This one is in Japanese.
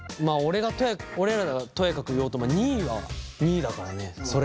俺らがとやかく言おうとも２位は２位だからねそれが。